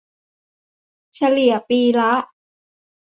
เฉลี่ยปีละ